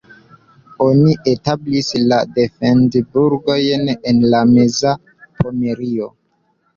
Oni establis la defend-burgojn en la meza Pomerio.